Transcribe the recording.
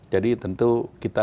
jadi tentu kita